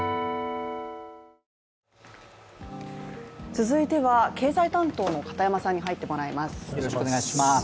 続いては、経済担当の片山さんに入ってもらいます。